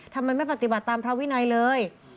ทำไมไม่ปฏิบัติตามพระวินัยเลย